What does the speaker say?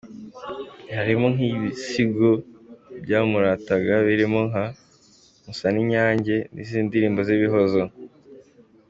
Harimo nk’ibisigo byamurataga birimo nka Musaninyange, n’izindi ndirimbo z’ibihozo.